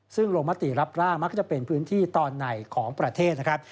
ซึ่งลงมติรับร่างมักจะเป็นพื้นที่ตอนในของประเทศนะครับ